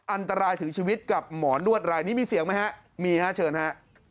อันตรายถึงชีวิตกับหมอนวดรายนี้มีเสียงไหมฮะมีฮะเชิญฮะ